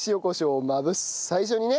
最初にね